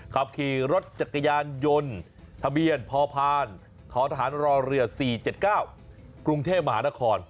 ขับขี่รถจักรยานยนต์ทะเบียนพพทหารรอเรือ๔๗๙กรุงเทพมหานคร